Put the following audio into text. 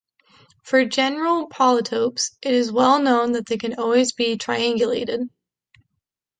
For general polytopes, it is well known that they can always be triangulated.